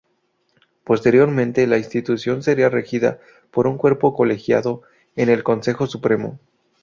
Posteriormente la institución sería regida por un Cuerpo Colegiado en el Consejo Supremo.